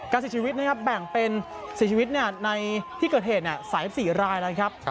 การศิลป์ชีวิตแบ่งเป็นสีชีวิตที่เกิดเหตุใสศภิรายนะครับ